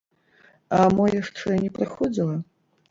А мо яшчэ не прыходзіла?